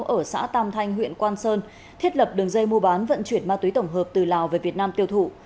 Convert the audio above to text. ở xã tam thanh huyện quang sơn thiết lập đường dây mua bán vận chuyển ma túy tổng hợp từ lào về việt nam tiêu thụ